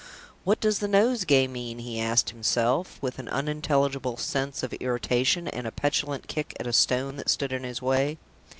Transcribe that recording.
"What does the nosegay mean?" he asked himself, with an unintelligible sense of irritation, and a petulant kick at a stone that stood in his way.